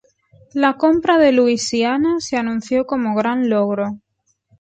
La compra de Luisiana se anunció como gran logro.